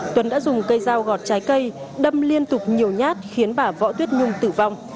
tuấn đã dùng cây dao gọt trái cây đâm liên tục nhiều nhát khiến bà võ tuyết nhung tử vong